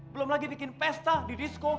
belum lagi bikin pesta di disco